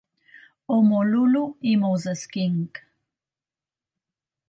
Omololu i Moses King.